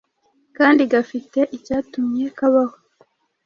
kandi gafite icyatumye kabaho